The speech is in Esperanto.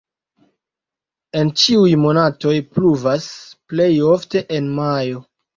En ĉiuj monatoj pluvas, plej ofte en majo.